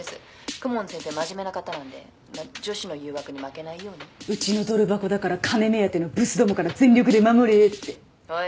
「公文先生真面目な方なんで女子の誘惑に負けないように」うちのドル箱だから金目当てのブスどもから全力で守れって「おい」